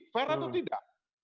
fera itu tidak